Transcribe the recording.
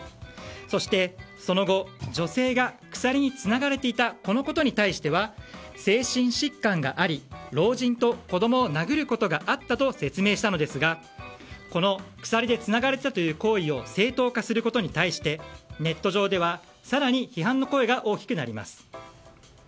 そして、その後女性が鎖につながれていたこのことに対しては精神疾患があり老人と子供を殴ることがあったと説明したのですがこの鎖でつながれたという行為を正当化することに対してネット上では更に批判の声が大きくなります。